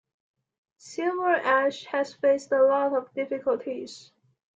Silver Ash has faced a lot of difficulties.